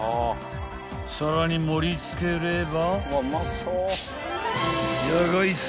［皿に盛り付ければ］